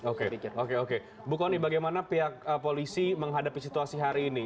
oke oke bukoni bagaimana pihak polisi menghadapi situasi hari ini